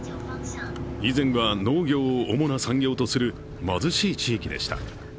以前は農業を主な産業とする貧しい地域でした。